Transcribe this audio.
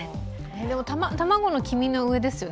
卵の黄身の上ですよね。